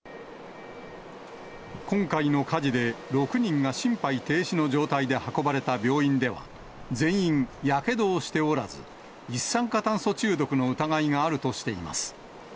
今回の火事で、６人が心肺停止の状態で運ばれた病院では、全員、やけどをしておらず、一酸化炭素中毒の疑いがあるとしています。